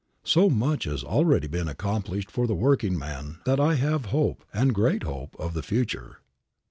So much has already been accomplished for the workingman that I have hope, and great hope, of the future.